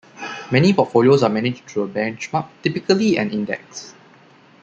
Many portfolios are managed to a benchmark, typically an index.